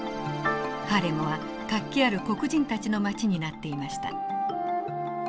ハーレムは活気ある黒人たちの街になっていました。